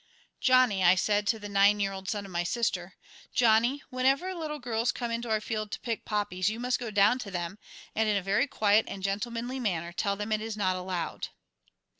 "Johnny," said I to the nine year old son of my sister, "Johnny, whenever little girls come into our field to pick poppies, you must go down to them, and in a very quiet and gentlemanly manner, tell them it is not allowed."